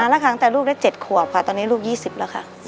แล้วค่ะตั้งแต่ลูกได้๗ขวบค่ะตอนนี้ลูก๒๐แล้วค่ะ